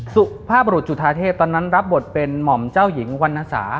สุภาพบรุษจุธาเทพตอนนั้นรับบทเป็นหม่อมเจ้าหญิงวรรณสา